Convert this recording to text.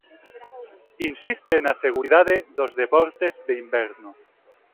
Insiste na seguridade dos deportes de inverno.